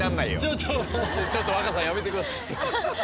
ちょっと若さんやめてください。